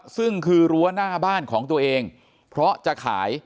ซึ่งคือรั้วหน้าบ้านของตัวเองเพราะจะขาย